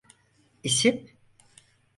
İsim?